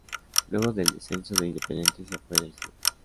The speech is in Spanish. Luego del descenso de Independiente se fue del club.